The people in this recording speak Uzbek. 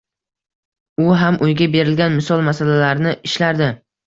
U ham uyga berilgan misol-masalalarni ishlardi.